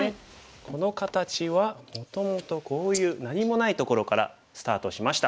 この形はもともとこういう何もないところからスタートしました。